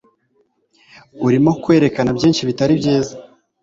Urimo Kwerekana Byinshi bitari byiza